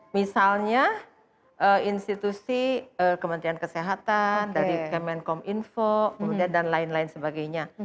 misalnya institusi kementerian kesehatan dari kemenkom info dan lain lain sebagainya